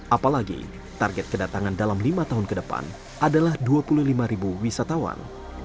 apalagi target kedatangan dalam lima tahun ke depan adalah dua puluh lima wisatawan